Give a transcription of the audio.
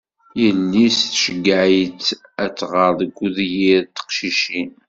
Yelli-s tceyyeɛ-itt ad tɣer deg udyir n teqcicin.